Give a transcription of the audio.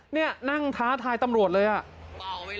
นี่นั่งท้าทายตำรวจเลยอ่ะ